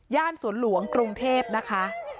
ย่านสวนหลวงกรุงเทพฯนะคะ